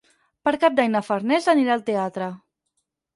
Per Cap d'Any na Farners anirà al teatre.